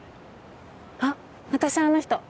あっ私あの人。